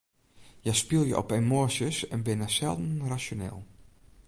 Hja spylje op emoasjes en binne selden rasjoneel.